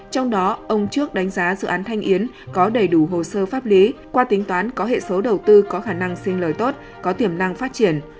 trong đó ông trước đánh giá dự án thanh yến có đầy đủ hồ sơ pháp lý qua tính toán có hệ số đầu tư có khả năng sinh lời tốt có tiềm năng phát triển